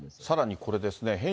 さらにこれですね。